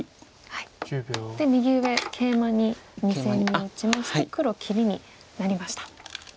で右上ケイマに２線に打ちまして黒切りになりました。